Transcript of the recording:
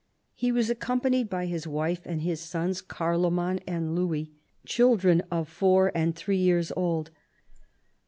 He was accompanied by his wife and his sons, Car loman and Louis, children of four and three years old.